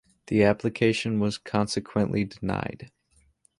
The application was consequently denied.